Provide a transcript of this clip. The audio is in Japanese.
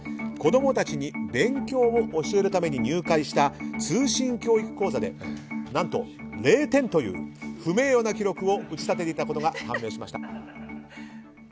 子供たちに勉強を教えるために入会した通信教育講座で何と、０点という不名誉な記録を打ち立てていたことが判明しました。